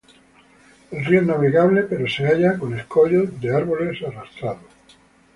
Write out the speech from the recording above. El río es navegable pero se halla con escollos de árboles arrastrados.